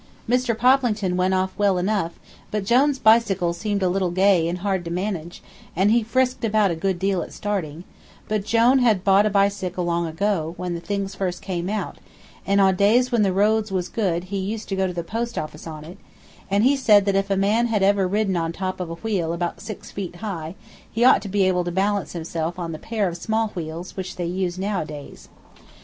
Mr. Poplington went off well enough, but Jone's bicycle seemed a little gay and hard to manage, and he frisked about a good deal at starting; but Jone had bought a bicycle long ago, when the things first came out, and on days when the roads was good he used to go to the post office on it, and he said that if a man had ever ridden on top of a wheel about six feet high he ought to be able to balance himself on the pair of small wheels which they use nowadays.